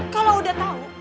kalau udah tau